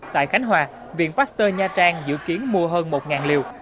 tại khánh hòa viện pasteur nha trang dự kiến mua hơn một liều